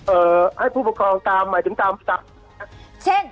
เอ่อให้ผู้ปกครองตามหมายถึงตามเช่น